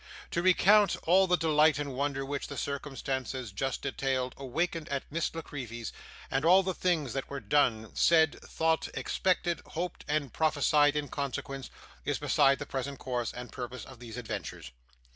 To recount all the delight and wonder which the circumstances just detailed awakened at Miss La Creevy's, and all the things that were done, said, thought, expected, hoped, and prophesied in consequence, is beside the present course and purpose of these adventures.